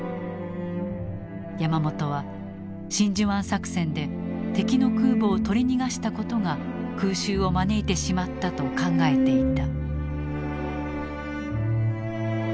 山本は真珠湾作戦で敵の空母を取り逃がしたことが空襲を招いてしまったと考えていた。